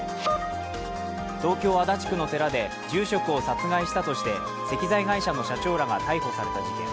東京・足立区の寺で住職を殺害したとして石材会社の社長らが逮捕された事件。